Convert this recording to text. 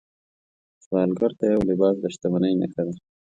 سوالګر ته یو لباس د شتمنۍ نښه ده